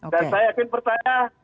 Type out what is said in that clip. dan saya yakin percaya